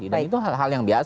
dan itu hal yang biasa